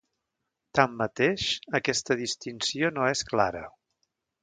Tanmateix, aquesta distinció no és clara.